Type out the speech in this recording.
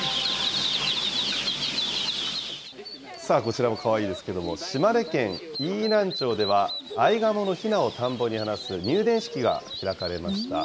こちらもかわいいですけれども、島根県飯南町では、アイガモのひなを田んぼに放す入田式が開かれました。